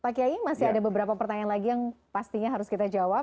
pak kiai masih ada beberapa pertanyaan lagi yang pastinya harus kita jawab